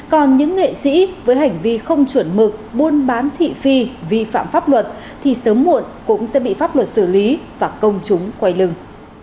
còn những nghệ sĩ với hành vi không chuẩn mực buôn bán thị phi vi phạm pháp luật thì sớm muộn cũng sẽ bị pháp luật xử lý và công chúng quay lưng